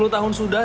sepuluh tahun sudah